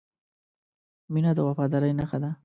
• مینه د وفادارۍ نښه ده.